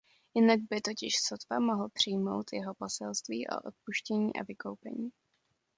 Jinak by totiž sotva mohl přijmout jeho poselství o odpuštění a vykoupení.